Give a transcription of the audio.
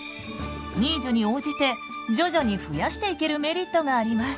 ニーズに応じて徐々に増やしていけるメリットがあります。